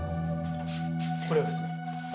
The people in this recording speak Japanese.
これはですね